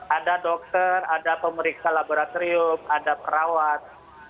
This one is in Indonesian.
ada dokter ada pemeriksa laboratorium ada perawat